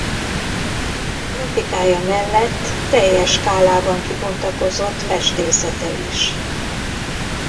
Grafikája mellett teljes skálában kibontakozott festészete is.